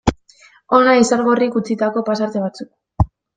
Hona Izargorrik utzitako pasarte batzuk.